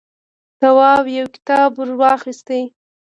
تواب يو کتاب ور واخيست.